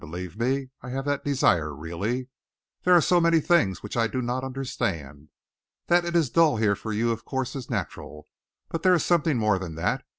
Believe me, I have that desire, really. There are so many things which I do not understand. That it is dull here for you, of course, is natural, but there is something more than that.